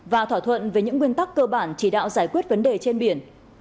và thỏa thuận về những nguyên tắc cơ bản chỉ đạo giải quyết vấn đề trên biển